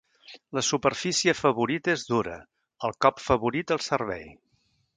La superfície favorita és dura; el cop favorit el servei.